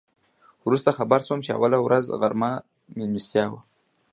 وروسته خبر شوم چې اوله ورځ غرمه میلمستیا وه.